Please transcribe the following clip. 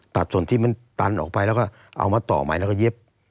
ตัดส่วนที่มันตันออกไปแล้วก็เอามาต่อใหม่แล้วก็เย็บ